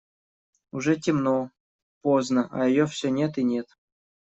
Уже темно, поздно, а ее все нет и нет.